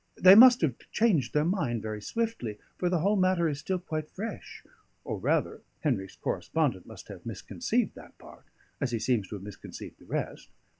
They must have changed their mind very swiftly, for the whole matter is still quite fresh; or rather, Henry's correspondent must have misconceived that part, as he seems to have misconceived the rest.